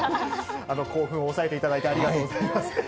興奮を抑えていただいてありがとうございます。